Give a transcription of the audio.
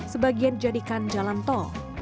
sebagian jadikan jalan to